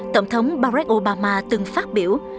tổng thống barack obama từng phát biểu